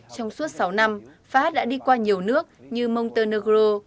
trong suốt sáu năm fahad đã đi qua nhiều nước như montenegro